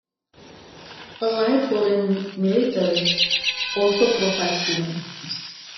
Allied foreign militaries also provide students.